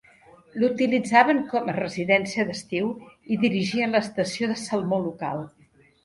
L'utilitzaven com a residència d'estiu i dirigien l'estació de salmó local.